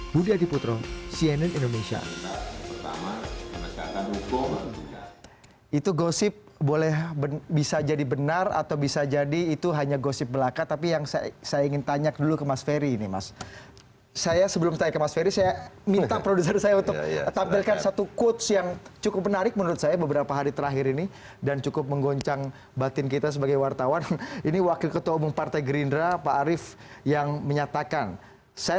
budi adiputro cnn indonesia